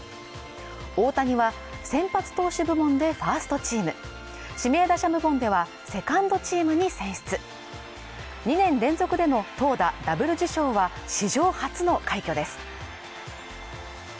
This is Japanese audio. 大谷は先発投手部門でファーストチーム指名打者部門ではセカンドチームに選出２年連続での投打ダブル受賞は史上初の快挙です